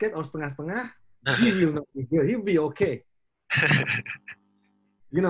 atau setengah setengah dia tidak akan berguna